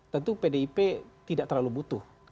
tentu pdip tidak terlalu butuh